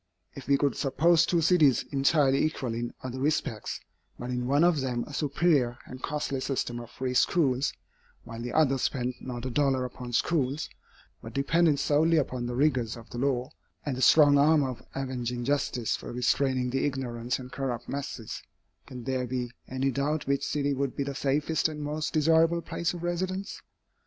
If we could suppose two cities entirely equal in other respects, but in one of them a superior and costly system of free schools, while the other spent not a dollar upon schools, but depended solely upon the rigors of the law and the strong arm of avenging justice for restraining the ignorant and corrupt masses, can there be any doubt which city would be the safest and most desirable place of residence?